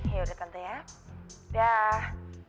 yaudah tante ya daah